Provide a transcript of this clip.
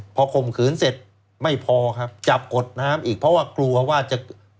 พอข่มขืนเสร็จไม่พอครับจับกดน้ำอีกเพราะว่ากลัวว่าจะ